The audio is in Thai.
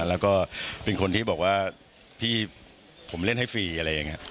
แล้วก็เป็นคนที่บอกว่าพี่ผมเล่นให้ฟรีอะไรอย่างนี้